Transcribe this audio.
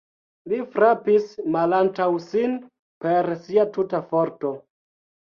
Li frapis malantaŭ sin per sia tuta forto.